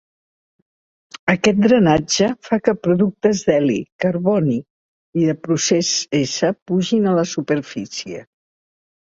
Aquest drenatge fa que productes d'heli, carboni i de procés-S pugin a la superfície.